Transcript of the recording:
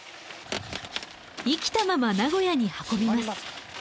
生きたまま名古屋に運びます。